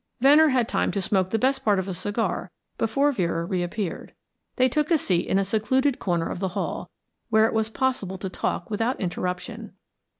Venner had time to smoke the best part of a cigar before Vera reappeared. They took a seat in a secluded corner of the hall, where it was possible to talk without interruption.